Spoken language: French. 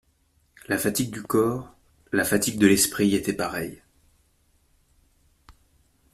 La fatigue du corps, la fatigue de l'esprit étaient pareilles.